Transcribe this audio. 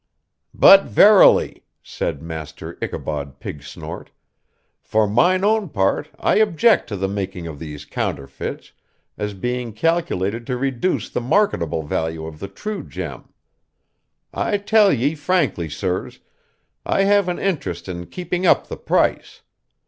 'But, verily,' said Master Ichabod Pigsnort, 'for mine own part I object to the making of these counterfeits, as being calculated to reduce the marketable value of the true gem. I tell ye frankly, sirs, I have an interest in keeping up the price.